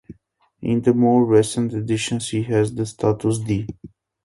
In the more recent editions, he has the status 'd.